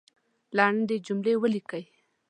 لندي جملې لیکئ !